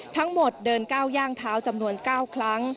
เดินก้าวย่างเท้าจำนวน๙ครั้ง